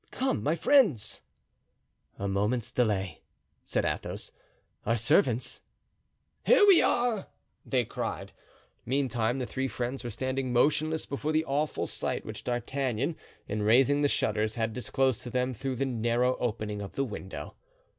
Come, my friends." "A moment's delay," said Athos; "our servants?" "Here we are!" they cried. Meantime the three friends were standing motionless before the awful sight which D'Artagnan, in raising the shutters, had disclosed to them through the narrow opening of the window.